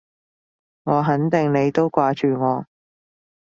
我肯定你都掛住我